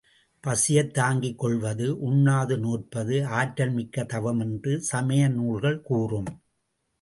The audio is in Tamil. பசியைத் தாங்கிக் கொள்வது, உண்ணாது நோற்பது ஆற்றல் மிக்க தவம் என்று சமய நூல்கள் கூறும்.